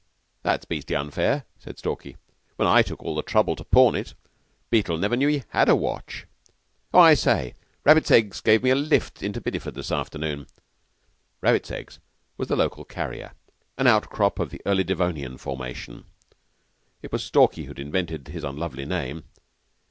"That's beastly unfair," said Stalky, "when I took all the trouble to pawn it. Beetle never knew he had a watch. Oh, I say, Rabbits Eggs gave me a lift into Bideford this afternoon." Rabbits Eggs was the local carrier an outcrop of the early Devonian formation. It was Stalky who had invented his unlovely name.